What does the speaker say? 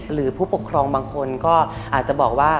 หรือผู้ปกครองบางคนก็อาจจะบอกว่า